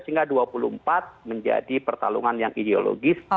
sehingga dua ribu dua puluh empat menjadi pertalungan yang ideologis